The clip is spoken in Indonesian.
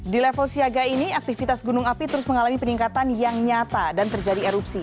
di level siaga ini aktivitas gunung api terus mengalami peningkatan yang nyata dan terjadi erupsi